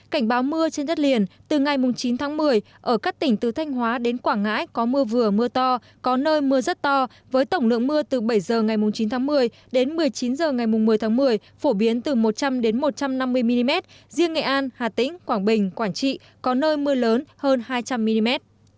cảnh báo mưa trên đất liền từ ngày chín tháng một mươi ở các tỉnh từ thanh hóa đến quảng ngãi có mưa vừa mưa to có nơi mưa rất to với tổng lượng mưa từ bảy h ngày chín tháng một mươi đến một mươi chín h ngày một mươi tháng một mươi phổ biến từ một trăm linh một trăm năm mươi mm riêng nghệ an hà tĩnh quảng bình quảng trị có nơi mưa lớn hơn hai trăm linh mm